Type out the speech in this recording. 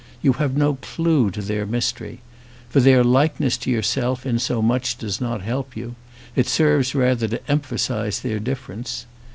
You harve no clue to their mystery. For their likeness to yourself in so much does not help you; it serves rather to emphasize their difference.